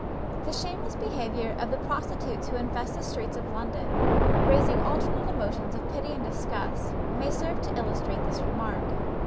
The shameless behaviour of the prostitutes who infest the streets of London, raising alternate emotions of pity and disgust, may serve to illustrate this remark.